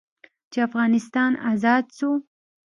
چې افغانستان ازاد سو.